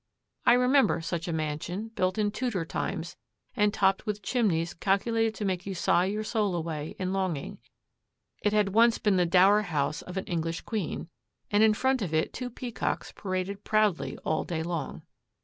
I remember such a mansion, built in Tudor times, and topped with chimneys calculated to make you sigh your soul away in longing; it had once been the dower house of an English queen, and in front of it two peacocks paraded proudly all day long.